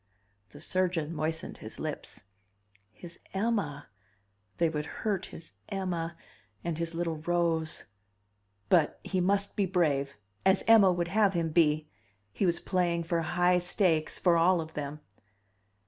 The surgeon moistened his lips. His Emma they would hurt his Emma ... and his little Rose. But he must be brave, as Emma would have him be. He was playing for high stakes for all of them.